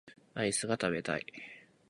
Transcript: アイスが食べたい